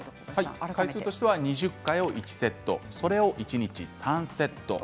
回数としては２０回を１セット、それを一日３セット。